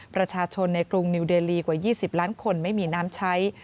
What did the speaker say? ประชาชนในกรุงนิวเดลีกว่า๒๐ล้านคนไม่มีน้ำใช้